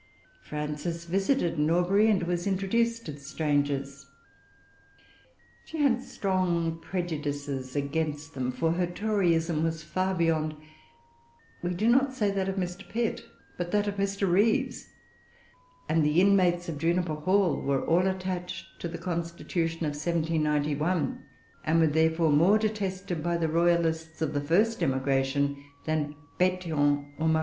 Frances visited Norbury, and was introduced to the strangers. She had strong prejudices against them; for her Toryism was far beyond, we do not say that of Mr. Pitt, but that of Mr. Reeves; and the inmates of Juniper Hall were all attached to the constitution of 1791, and were therefore more detested by the royalists of the first emigration than Pétion or Marat.